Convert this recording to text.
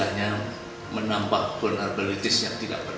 karena tidak menampak penarbalitis yang tidak perlu